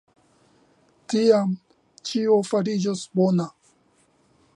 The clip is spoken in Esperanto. Tiam ĉio fariĝos bona.